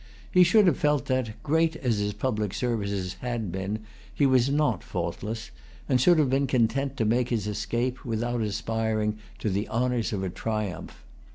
He should have felt that, great as his public services had been, he was not faultless; and should have been content to make his escape, without aspiring to the honors of a triumph.